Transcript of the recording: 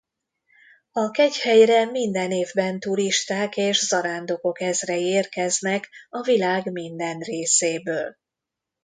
A kegyhelyre minden évben turisták és zarándokok ezrei érkeznek a világ minden részéből.